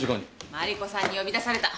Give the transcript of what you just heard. マリコさんに呼び出された。